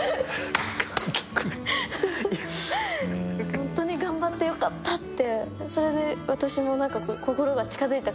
本当に頑張ってよかったって。